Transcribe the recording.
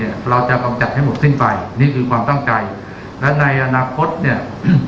เราจะกำจัดให้หมดสิ้นไปนี่คือความตั้งใจและในอนาคตเนี่ย